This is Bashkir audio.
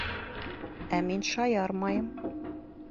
Ә мин шаярмайым.